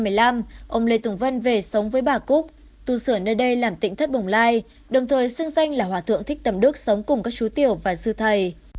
năm hai nghìn một mươi năm ông lê tùng vân về sống với bà cúc tu sửa nơi đây làm tỉnh thất bồng lai đồng thời xưng danh là hòa tượng thích tầm đức sống cùng các chú tiểu và sư thầy